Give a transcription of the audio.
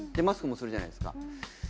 マスクもするじゃないですか。